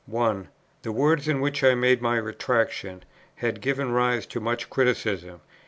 1. The words, in which I made my Retractation, have given rise to much criticism.